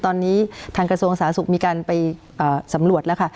ตอนนี้ทางกระทรวงสาธารณสุขมีการไปสำรวจแล้วค่ะ